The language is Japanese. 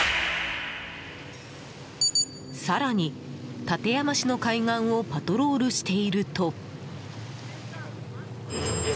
更に、館山市の海岸をパトロールしていると。